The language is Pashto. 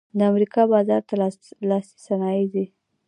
د امریکا بازار ته لاسي صنایع ځي